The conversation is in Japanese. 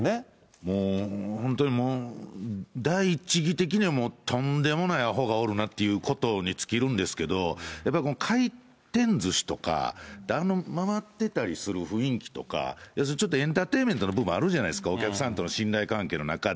もう本当に、もう第一義的にはとんでもないあほがおるなということに尽きるんですけど、やっぱこの回転ずしとか、あの回ってたりする雰囲気とか、要するにちょっとエンタテインメントの部分あるじゃないですか、お客さんとの信頼関係の中で。